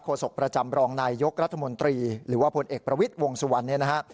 ศกประจำรองนายยกรัฐมนตรีหรือว่าพลเอกประวิทย์วงสุวรรณเนี่ยนะฮะ